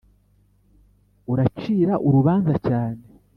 uracira urubanza cyane.